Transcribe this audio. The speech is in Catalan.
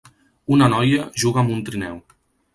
Una noia juga amb un trineu.